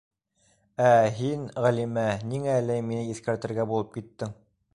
- Ә һин, Ғәлимә, ниңә әле мине иҫкәртергә булып киттең?